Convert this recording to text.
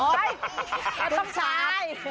โอ้ยแล้วต้องใช้